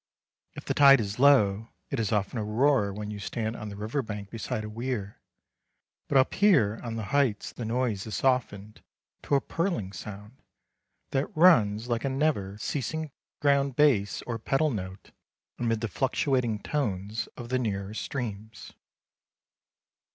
If the tide is low it is often a roar when you stand on the river bank beside a weir; but up here on the heights the noise is softened to a purling sound, that runs like a never ceasing ground bass or pedal note amid the fluctuating tones of the nearer streams.